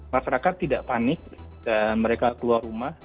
masyarakat tidak panik dan mereka keluar rumah